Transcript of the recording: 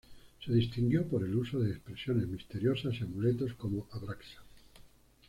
Se distinguió por el uso de expresiones misteriosas y amuletos, como "Abraxas".